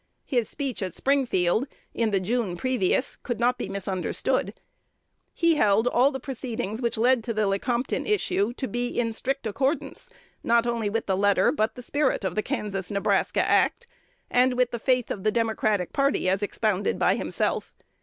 His speech at Springfield, in the June previous, could not be misunderstood. He held all the proceedings which led to the Lecompton issue to be in strict accordance, not only with the letter, but the spirit, of the Kansas Nebraska Act, and with the faith of the Democratic party as expounded by himself.